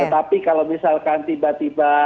tetapi kalau misalkan tiba tiba